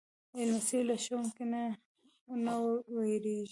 لمسی له ښوونکو نه نه وېرېږي.